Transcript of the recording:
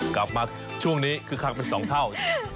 กลับมาช่วงนี้คึกคักเป็น๒เท่า